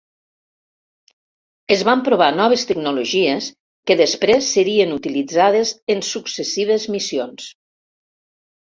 Es van provar noves tecnologies que després serien utilitzades en successives missions.